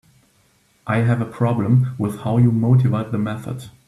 I have a problem with how you motivate the method.